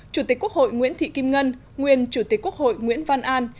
chủ tịch quốc hội nguyễn thị kim ngân nguyên chủ tịch quốc hội nguyễn văn an